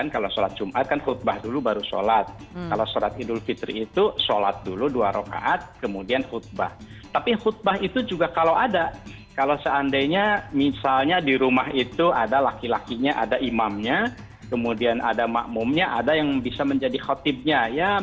kalau tidak dilaksanakan khutbahnya